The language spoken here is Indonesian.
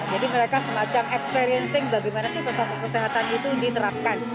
jadi mereka semacam experiencing bagaimana sih protokol kesehatan itu diterapkan